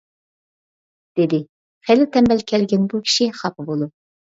:-دېدى خېلى تەمبەل كەلگەن بۇ كىشى خاپا بولۇپ.